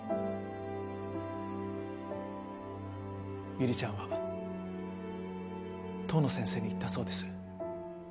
悠里ちゃんは遠野先生に言ったそうです。